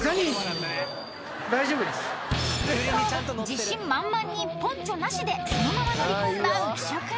［自信満々にポンチョなしでそのまま乗り込んだ浮所君］